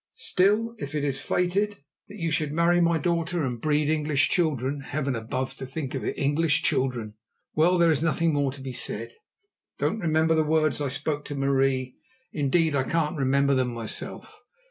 Still, if it is fated that you should marry my daughter and breed English children—Heaven above! to think of it, English children!—well, there is nothing more to be said. Don't remember the words I spoke to Marie. Indeed, I can't remember them myself.